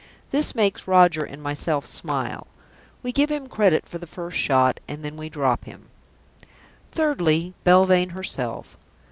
This makes Roger and myself smile. We give him credit for the first shot, and then we drop him. Thirdly, Belvane herself.